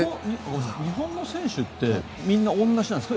日本の選手ってみんな同じなんですか？